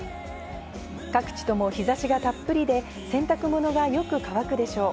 各地とも日差しがたっぷりで洗濯物はよく乾くでしょう。